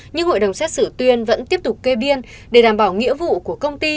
nhưng hội đồng xét xử tuyên vẫn tiếp tục kê biên để đảm bảo nghĩa vụ của công ty